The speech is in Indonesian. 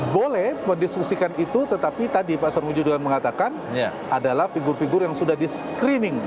boleh mendiskusikan itu tetapi tadi pak sarmuji juga mengatakan adalah figur figur yang sudah di screening